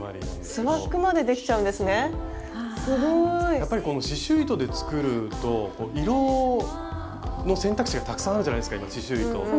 やっぱりこの刺しゅう糸で作ると色の選択肢がたくさんあるじゃないですか刺しゅう糸って。